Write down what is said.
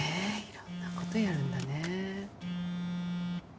いろんな事やるんだね。